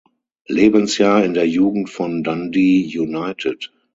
Lebensjahr in der Jugend von Dundee United.